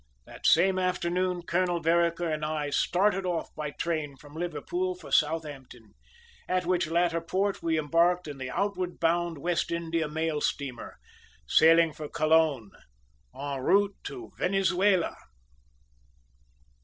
That same afternoon Colonel Vereker and I started off by train from Liverpool for Southampton, at which latter port we embarked in the outward bound West India mail steamer, sailing for Colon, en route to Venezuela.